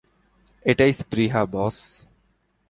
এটাই স্পৃহা, বস।